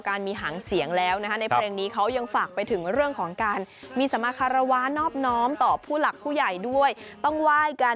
ในเพลงนี้เขายังฝากไปถึงเรื่องของการมีสัมมาตย์ฆารวาลนอบน้อมต่อผู้หลักผู้ใหญ่ต้องไหว้กัน